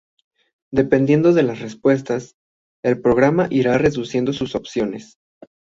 Dependiendo de las respuestas, el programa irá reduciendo sus opciones.